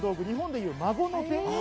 日本でいう孫の手。